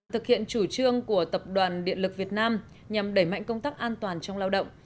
thực hiện chủ trương của tập đoàn điện lực việt nam nhằm đẩy mạnh công tác an toàn trong lao động